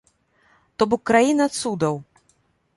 То бок краіна цудаў.